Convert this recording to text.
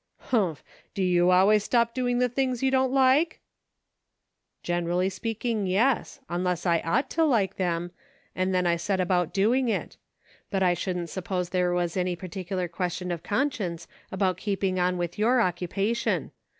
" Humph ! Do you always stop doing the things you don't like ?"" Generally speaking, yes ; unless I ought to like them ; and then I set about doing it ; but I shouldn't suppose there was any particular ques tion of conscience about keeping on with your occupation.